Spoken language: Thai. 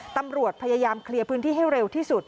ตำรวจพยายามเคลียร์พื้นที่ให้เร็วที่สุด